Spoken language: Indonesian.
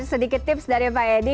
sedikit tips dari pak edi